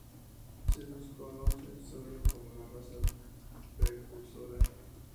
Se los conoce solo como la Raza Precursora.